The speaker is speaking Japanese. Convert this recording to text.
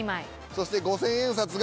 そして５千円札が。